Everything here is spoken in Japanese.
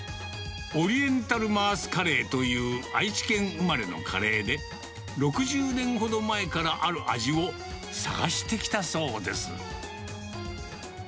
オリエンタルマースカレーという愛知県生まれのカレーで、６０年ほど前からある味を探してきたそうです。